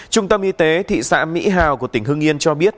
trung tâm y tế thị xã mỹ hào của tỉnh hưng yên cho biết